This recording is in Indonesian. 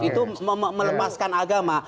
itu melemaskan agama